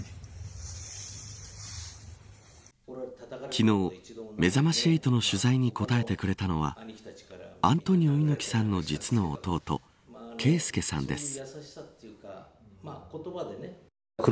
昨日、めざまし８の取材に答えてくれたのはアントニオ猪木さんの実の弟啓介さんです。